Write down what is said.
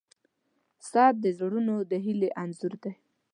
• ساعت د زړونو د هیلې انځور دی.